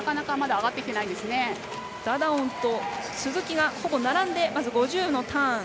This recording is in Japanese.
ダダオンと鈴木がほぼ並んでまず５０のターン。